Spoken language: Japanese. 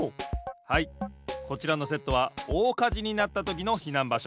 はいこちらのセットはおおかじになったときの避難場所。